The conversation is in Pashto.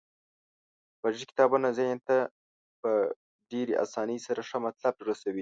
غږیز کتابونه ذهن ته په ډیرې اسانۍ سره ښه مطلب رسوي.